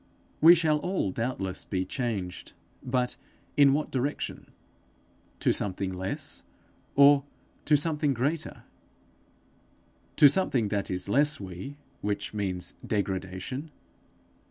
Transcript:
We shall all doubtless be changed, but in what direction? to something less, or to something greater? to something that is less we, which means degradation?